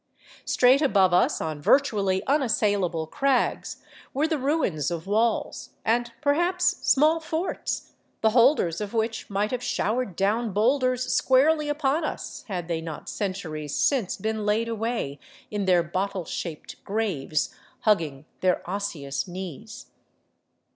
Straight above us on virtually unassailable crags were the ruins of walls, and perhaps small forts, the holders of which might have showered down boulders squarely upon us — had they not centuries since been laid away in their bottle shaped graves, hugging their osse ous knees.